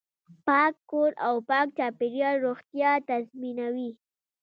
پاک کور او پاک چاپیریال روغتیا تضمینوي.